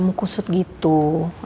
isi batu kamu ditoong